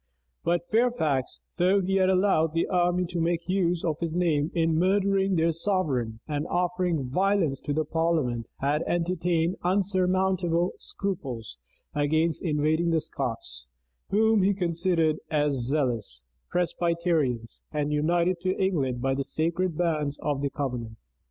But Fairfax, though he had allowed the army to make use of his name in murdering their sovereign, and offering violence to the parliament, had entertained unsurmountable scruples against invading the Scots, whom he considered as zealous Presbyterians, and united to England by the sacred bands of the covenant.